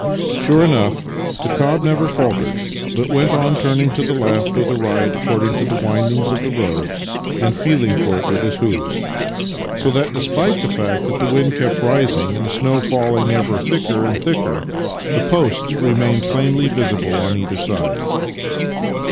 Sure enough, the cob never faltered, but went on turning to the left or right, according to the windings of the road, and feeling for it with his hoofs; so that, despite the fact that the wind kept rising and the snow falling ever Master and Man 19 thicker and thicker, the posts remained plainly visible on either side.